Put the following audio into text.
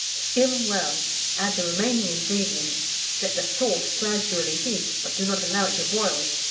Skim well, add the remaining ingredients, let the sauce gradually heat, but do not allow it to boil.